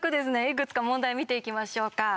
いくつか問題を見ていきましょうか。